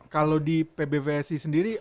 kalau di pbvsi sendiri